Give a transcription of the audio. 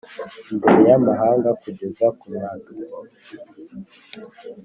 Imbere Y Amahanga Kugeza Ku Mwaduko